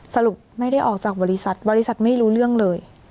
สรุปไม่ได้ออกจากบริษัทบริษัทไม่รู้เรื่องเลย